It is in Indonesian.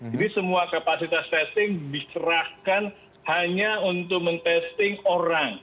jadi semua kapasitas testing dikerahkan hanya untuk men testing orang